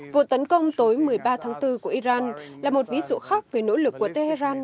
vụ tấn công tối một mươi ba tháng bốn của iran là một ví dụ khác về nỗ lực của tehran